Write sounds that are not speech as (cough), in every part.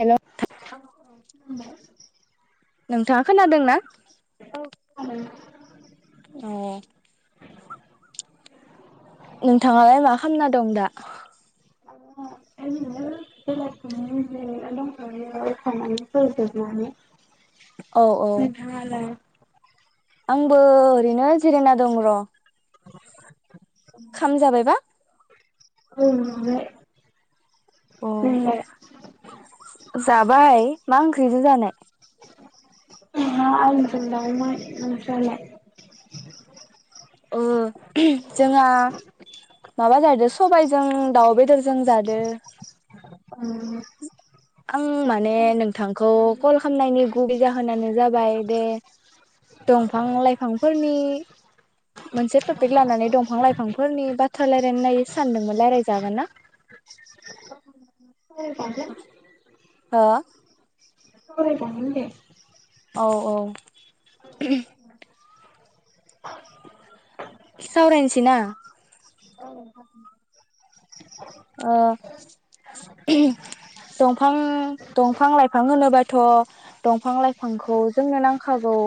हेल। औ। नोंथाङा खोनादों ना। औ। नोंथाङालाय मा खालामना दं दा। (unintelligible) औ औ नोंथांआलाय। आंबो ओरैनो जिराया दं र। खामजाबायबा। औ (unintelligible) अ जोंलाय जाबाय। मा ओंख्रिजों जानाय। अमा आलुज़ों दाउमोन ओमफ्राय ओ। जोंहा (inaudible) माबा जादो सबायजों दाउ बेदरजों जादो। उम। आं माने नोंथांखौ कल खालामनायनि गुबै जाहोनानो जाबाय बे दंफां लाइफांफोरनि मोनसे टपिक लानानै दंफां लाइफांफोरनि बाथ्रा रायलायनाय सानदोंमोन रायलायजागोन ना। हो (unintelligible) (unintelligible) औ औ। (unintelligible) सावरायसैना। औ। ओ दंफां दंफां लाइफां होनोबाथ' दंफां लाइफांखौ जोंनो नांखागौ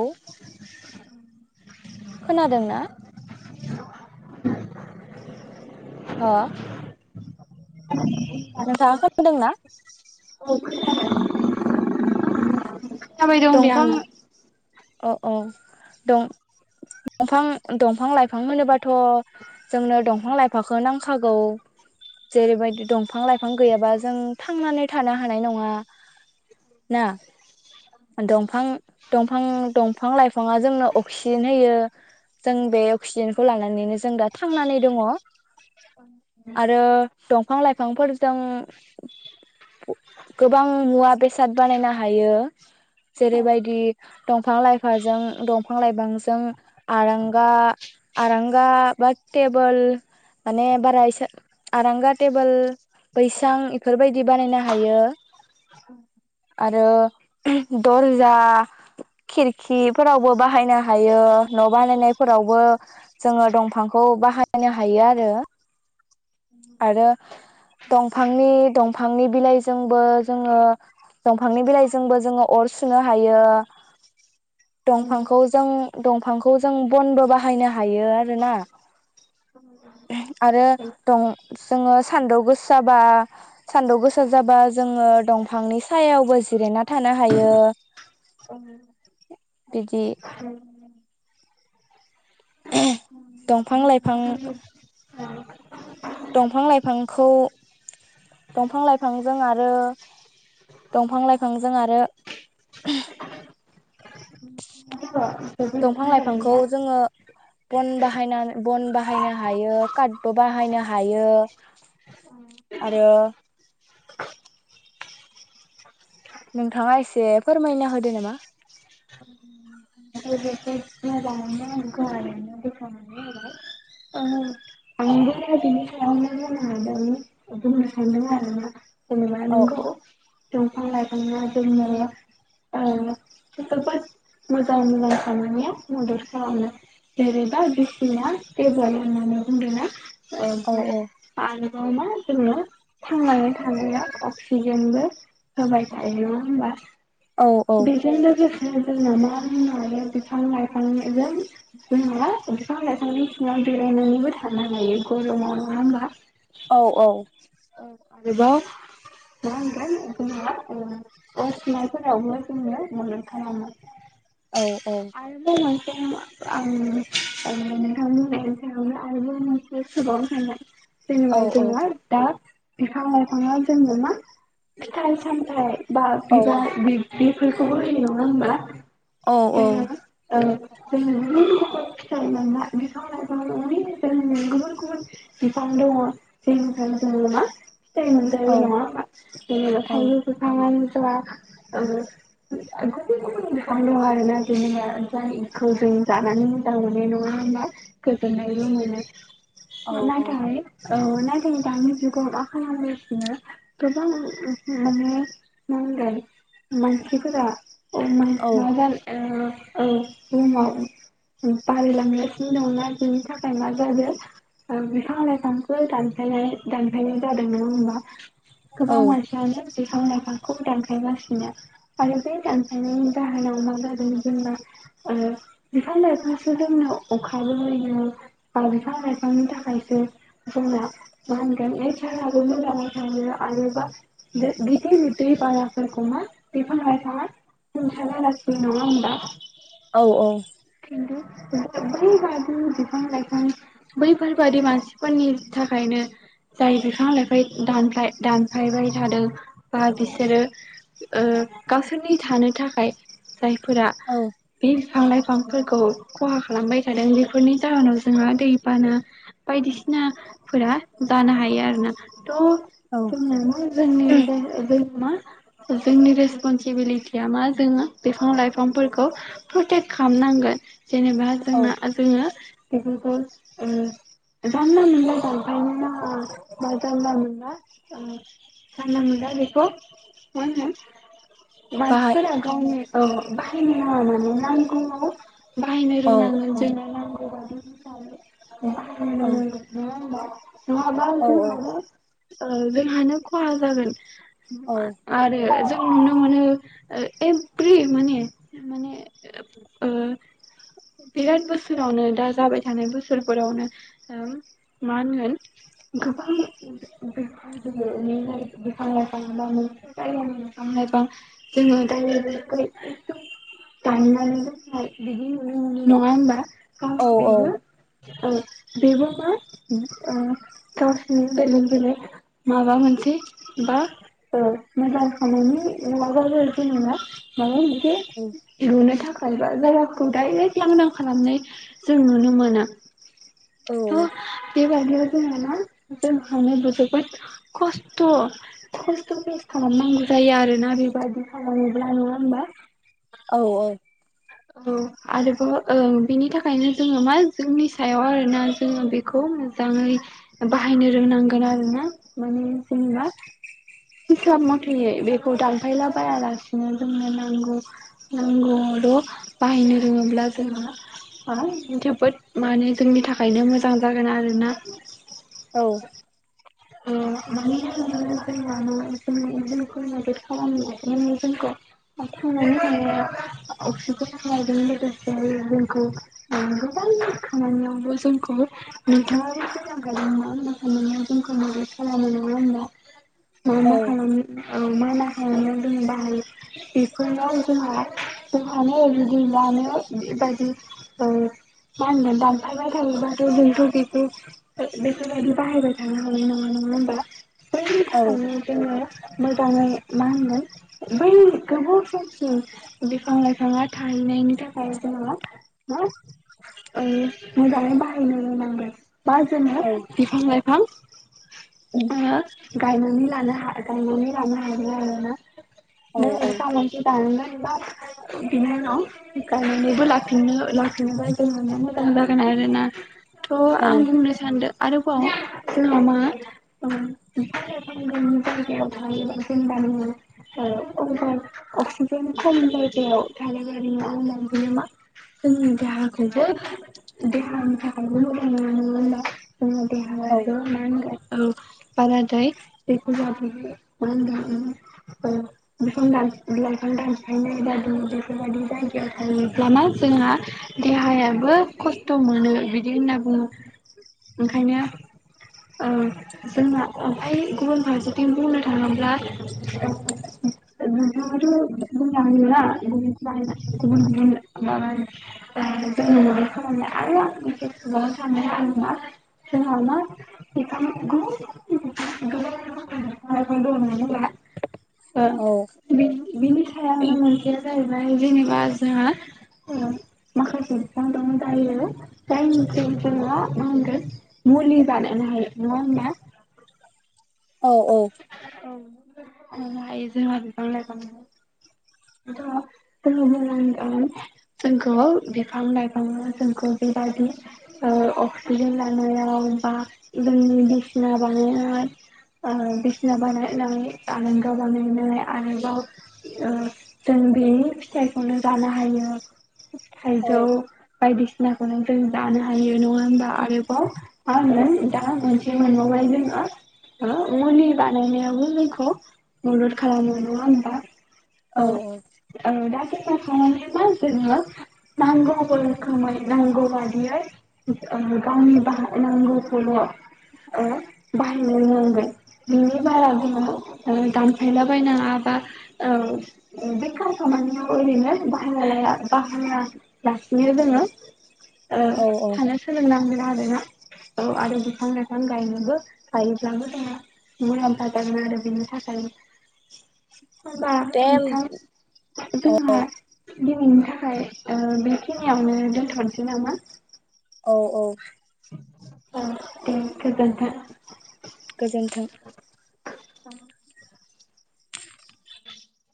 खोनादोंना। हो। (unintelligible) औ नोंथाङा खोनादों। खोनादोंना थाबाय दं दे आङो। अ अ दं दंफां दंफां लाइफां मोनोबाथ' जोंनो दंफां लाइफांखौ नांखागौ जेरैबायदि दंफां लाइफां गैयाबा जों थांनानै थानो हानाय नङा ना दंफां दं फां दंफां लाइफाङा जोंनो अक्सिजेन होयो जों बे अक्सिजेनखौ लानानैनो जों दा थांनानै दङ आरो दंफां लाइफांफोरजों गोबां मुवा बेसाद बानायनो हायो जेरैबायदि दंफां लाइफाजों दंफां लाइफांजों आरांगा आरांगा बा टेबोल माने बारा एसो आरांगा टेबोल बैसां इफोरबायदि बानायनो हायो आरो दरजा। खिरखिफोरावबो बाहायनो हायो न' बानायनायफोरावबो जोङो दंफांखौ बाहायनो हायो आरो। आरो दंफांनि दंफांनि बिलाइजोंबो जोङो दंफांनि बिलाइजोंबो जोङो अर सुनो हायो दंफांखौ जों दंफांखौ जों बनबो बाहायनो हायो आरोना आरो। दं जोङो सानदुं गोसाबा सानदुं गोसा जाबा जोङो दंफांनि सायावबो जिरायना थानो हायो बिदि। (inaudible) दंफां लाइ (unintelligible) दंफां लाइफांखौ दफां लाइफांजों आरो दंफां लाइफांजों आरो जोबोद दंफां लाइफांखौ मोजाङैनो जोङो बन बाहायना बन बाहायनो हायो काटबो बाहायनो हायो आरो नोंथाङा एसे फोरमायना होदो नामा? (unintelligible) औ (unintelligible) दंफां लाइफाङा जोंनो ओ जोबोद मोजां मोजां साननाया मदद खालामो जेरैबा (unintelligible) होननानै बुंदोंना औ औ (unintelligible) मा जोङो थांनानै थानाया अक्सिजेनबो होबाय थायो नङा होमबा? औ औ बेजों लोगो (unintelligible) (unintelligible) औ औ औ आरोबाव मा होनगोन जोङो ओ अर सुनायफोरावबो जोङो मदद खालामो। औ औ आरो‌बाव मोन (unintelligible) औ जेनेबा जोंङो दा बिफां लाइफाङा जोंनो मा फिथाइ सामथायाइ बा औ बिबार बिब बेफोरखौबो होयो नङा होमबा? औ औ जोंङो ओं जों गुबुन गुबुन फिथाइ मोनना बिफां लायफां (unintelligible) जोंनिफ्राय जोङो मा फिथाय मोनजायो नंङा औ होमबा जोंङो थाइजौ बिफांङानो हो (unintelligible) फां दङ आरोना जेनिनो जायखौ जों जानानै मोजां मोनो नङा होनबा गोजोननायबो मोनो। ना नाथय औ नाथाय दानि जुगाव मा खालामो जोंङो गोबां माने माहोनगोन मानसिफोरा अम औ माजाल ओ औ बुहुमाव बारायलांगासिनो दंना बिनि थाखाय मा जादों ओ बिफां लाइफांखो दानफायनो दानफायनाय जादों नंङा होमबा? गोबां मानसियानो। बिफां लाइफांखौ दानफायगासिनो आरो बे दानखायनायनि जाहोनाव मा जादों जोंना ओ बिफां लाइफांसो जोंनो अखाबो होयो बा बिफां लाइफांनि थाखायसो जोंना मा होनगोन नेचाराबो मोजाङै थाङो आरो बा गिदिर दै बानाफोरखौ मा बिफां लाइफाङा सुंथानालाखियो नंङा होमबा? औ औ खिन्थु बैबादि बिफां लाइफां बैफोरबादि मानसिफोरनि थाखायनो जाय बिफां लाइफां दानफ्लाय दानफायबाय थादों बा बिसोरो ओ गावसोरनि थानो थाखाय जाय फोरा बे। फां लाइफांफोरखौ खहा खालामबाय थादों बेफोरनि जाहोनाव जोंहा दैबाना बायदिसिनाफोरा जानो हायो आरोना। थ औ जोंनो मा जोंनि गेज ओ जों मा जोंनि रेसपनसिबिलिट। यामा जोङो बिफां लाइफांफोरखौ प्रटेक खामनांगोन। जेनेबा औ जोंना जोङो। बेफोरखौ ओ जानला मोनला दानफायनो नांङा बा जानला मोनला ओ जानला मोनला बेखौ माहोनो। बाहाय मानसिफोरा गावनो। औ बाहाय नो नाङा माने नांगौआव। बाहायनो औ रोंनांगोन औ जोंनो नांगौबा (unintelligible) जो बाहायनो औ रोंनांगोन नोङा होमबा। महाब औ इथिंलाबो। ओ जोंहानो खहा जागोन। औ मोनआरो जा नुनो मोनो। एभ्रि माने माने ओ बिराद बोसोरावनो दा जाबाय थानाय बोसोरफोरावनो मा होनगोन गोबां बिफां लाइफां जायानि बिफां लाइफां। जोङो दालायफोरखौ एखदम दाननानै दोननाय बिदि नुनोमोनो नङा होनबा। खावस औ औ बेबो। ओ बेबो मोन ओ गावसिनि जोनोमजानाय माबा मोनसे बा ओ मोजां खनायनि। दावबाय फैयनांनाय माबा मोन। बे औ लुनो थाखाय। बाइबा जायगाखौ डाइरेक्ट लांदां खालामनाय जों नुनो मोना। थ बे। बारियाव जोंहाना जोंहानोबो जोबोद खस्थ' खस्थ'पेस खालामनांगौ जायो आरोना बे। बायदि खालामोब्ला नङा होमबा। औ-औ। औ आरोबाव ओ बेनि थाखायनो जोङो मा जोंनि सायाव आरोना जोङो बेखौ मोजाङै बाहायनो रोंनांगोन आरोना माने जेनेबा हिसाब मथेै बेखौ दानफायला बायालासिनो जोंनो नांगौल नांगौल। बाहायनो रोङोब्ला जोंहा जोबोद माने जोंनि थाखायनो मोजां जागोन आरोना। औ। ओ मानो होनोब जों ज जोंखौ मदद खालाम जोंखौ खांनानै अक्सिजेनजों लोगोसे जोंखौ गोबां खामानियावबो जोंखौ नथाङ (unintelligible) खालामो नङा होनबा। मा औ मा खालामनो। औ मा-मा खामानियावन जों बाहायो। बेफोराव। जोंहा जोंहानो जुदि जानो बेबायदि ओ मा होनगोन दानफायबाय थायोबाथ' जोंथ' बेखौ बेफोरबायदि बाहायबाय थानो हानाय नङा नङा होमबा बैनि थाखायनो जोङो मोजाङै मा होनगोन बै गोबाव समसि बिफां लाइफाङा थाहैनायनि थाखाय जोङो मा ओ मोजाङै बाहायनो रोंनांगोन बा जोङो बिफां लाइ हा आ गायनानै लानोहा गायनानै लानो हायो आरोना (unintelligible) बिनि उनाव गायनानैबो लाफिनो लाखिनो बाय जोंहानोमोन थांबागोन आरोना। थ' आं बुंनो सान्दो आरोबाव (unintelligible) (unintelligible) (unintelligible) ओ जोंहा ओमफाय गुबुन फारसे बुंनो थाङोब्ला (unintelligible) (unintelligible) ओ बिनि सायाव मोनसेया (unintelligible) (unintelligible) (unintelligible) औ औ (unintelligible) (unintelligible) आरोबाव ओ जों बेनि फिथाइखौनो जानो हायो थायजौ बायदि (unintelligible) जानो हायो नङा होनबा आरोबाव मा होनो दा मोनसे मोनबावबाय जोङो (unintelligible) (unintelligible) मदद खालामो नङा होमबा औ औ दा (unintelligible) नांगौ बादियै गावनि (unintelligible) नांगौखौल' बाहायनो नांगोन (unintelligible) बारा गोनाव दानफायला बायनाङा बा ओ (unintelligible) ओरैनो (unintelligible) (unintelligible) ओ थानो सोलोंनांगोन आरोना औ आरो बिफां लाइफां गायनोबो गायोब्लाबो (unintelligible) (unintelligible) आरो बिनि थाखाय होबा दे नोंथां जोंहा दिनैनि थाखाय ओ बेखिनियावनो दोनथ'नोसै नामा? औ औ अ दे गोजोनथों गोजोन्थों (inaudible)